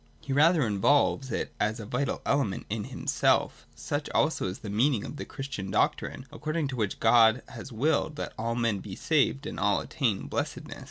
He rather involves it as a vital element in himself Such also is the meaning of the Christian doctrine, according to which God has willed that all men should be saved and all attain blessedness.